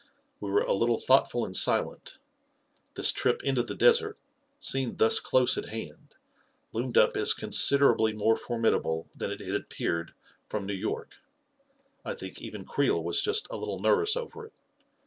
We were a little thoughtful and silent; this trip into the desert, seen thus close at hand, loomed up as considerably more formidable than it had appeared from New York 1 I think even Creel was just a little nervous over it.